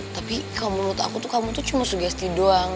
tapi kalau menurut aku tuh kamu tuh cuma sugesti doang